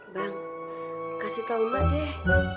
bang kasih tau mbak deh